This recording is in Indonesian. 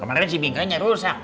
kemarin si bingkainya rusak